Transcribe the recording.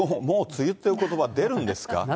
もう梅雨っていうことば、出るんですか。